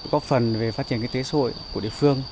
góp phần về phát triển kinh tế xã hội của địa phương